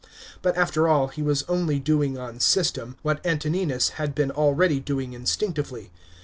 But after all he was only doing on system, what Antoninus had been already doing instinctively.